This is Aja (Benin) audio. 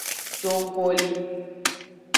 Jonggoli.